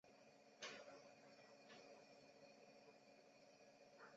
湖南黄花稔为锦葵科黄花稔属下的一个种。